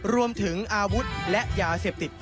รวมถึงอาวุธและยาเสพติด